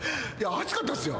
熱かったっすよ。